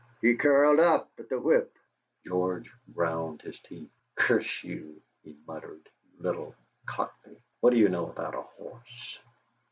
He curled up at the whip." George ground his teeth. "Curse you!" he muttered, "you little Cockney; what do you know about a horse?"